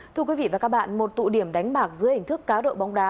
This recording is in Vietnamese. thưa quý vị và các bạn một tụ điểm đánh bạc dưới hình thức cá độ bóng đá